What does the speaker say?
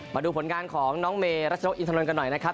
มาดูผลงานของน้องเมรัชนกอินทรนกันหน่อยนะครับ